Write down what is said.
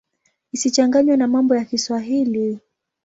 Isichanganywe na mambo ya Kiswahili.